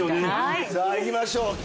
さあいきましょう。